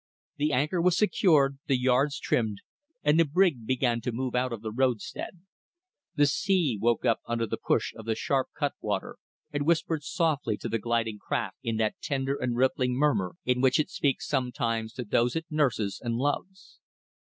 The anchor was secured, the yards trimmed, and the brig began to move out of the roadstead. The sea woke up under the push of the sharp cutwater, and whispered softly to the gliding craft in that tender and rippling murmur in which it speaks sometimes to those it nurses and loves.